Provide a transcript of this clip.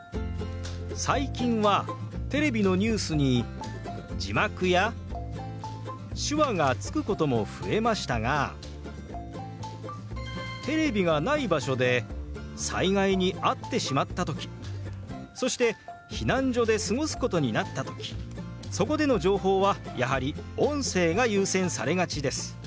最近はテレビのニュースに字幕や手話がつくことも増えましたがテレビがない場所で災害に遭ってしまった時そして避難所で過ごすことになった時そこでの情報はやはり音声が優先されがちです。